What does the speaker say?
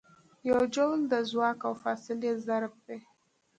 یو جول د ځواک او فاصلې ضرب دی.